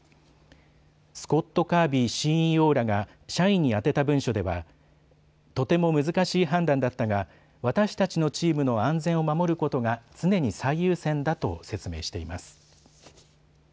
スコット・カービーＣＥＯらが社員に宛てた文書ではとても難しい判断だったが私たちのチームの安全を守ることが常に最優先だと説明しています。